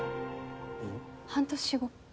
半年後。